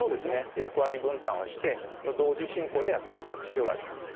役割分担をして同時進行でやっていただく必要があります。